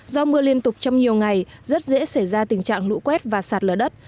do mưa liên tục trong nhiều ngày rất dễ xảy ra tình trạng lũ quét và sạt lở đất